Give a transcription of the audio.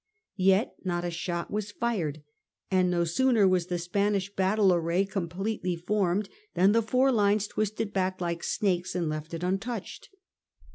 Yet not a shot was fired ; and no sooner was the Spanish battle array completely formed than the four lines twisted back like snakes and left it untouched.